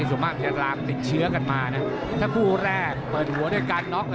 ส่วนมากจะลามติดเชื้อกันมานะถ้าคู่แรกเปิดหัวด้วยการน็อก